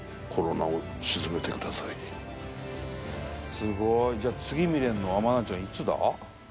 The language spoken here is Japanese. すごい。じゃあ次見られるのは愛菜ちゃんいつだ？